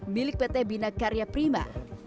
milik pt bina karya prima